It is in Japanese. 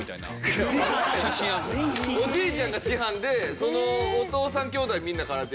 おじいちゃんが師範でお父さん兄弟みんな空手やってて。